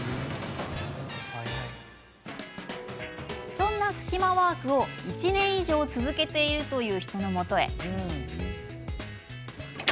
そんなスキマワークを１年以上続けているという人のもとへ。